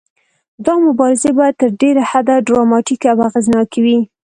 دا مبارزې باید تر ډیره حده ډراماتیکې او اغیزناکې وي.